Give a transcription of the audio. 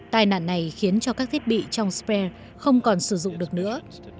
tài nạn này khiến cho các thiết bị trong spare không còn sử dụng được nữa